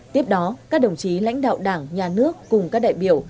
tiếp đó các đồng chí lãnh đạo đảng nhà nước cùng các đại biểu